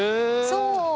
そう。